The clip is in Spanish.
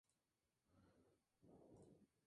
En aimara, su nombre significa, "La Puerta del Puma".